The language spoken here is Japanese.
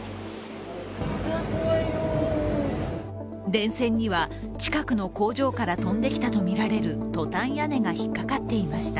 電線には近くの工場から飛んできたとみられるトタン屋根が引っ掛かっていました。